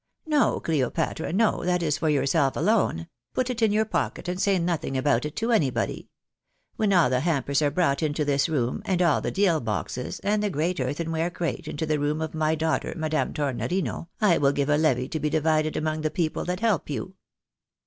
" No, Cleopatra, no, that is for yourself alone. Put it in your pocket, and say nothing about it to anybody. When all the hampers are brought into this room, and all the deal boxes, and the great earthenware crate into the room of my daughter, Madame Tornorino, I will give a ievy to be divided among the people that help you."